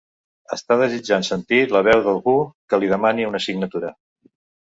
Està desitjant sentir la veu d'algú que li demani una signatura.